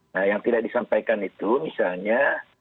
nah yang tidak disampaikan itu misalnya